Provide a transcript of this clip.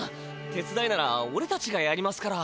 てつだいならおれたちがやりますから。